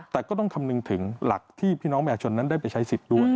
แต่ก็ต้องคำนึงถึงหลักที่พี่น้องประชาชนนั้นได้ไปใช้สิทธิ์ด้วย